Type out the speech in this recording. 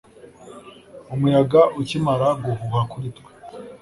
Umuyaga ukimara guhuha kuri twe